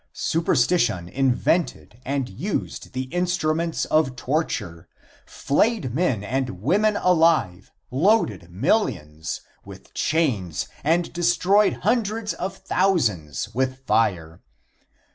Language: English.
Superstition invented and used the instruments of torture, flayed men and women alive, loaded millions, with chains and destroyed hundreds of thousands with fire.